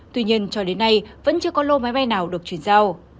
tuy nhiên cho đến nay vẫn chưa có lô máy bay nào được chuyển giao